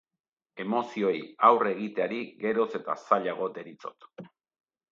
Emozioei aurre egiteari geroz eta zailago deritzot.